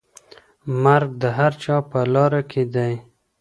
مرګ د هر چا په لاره کي دی.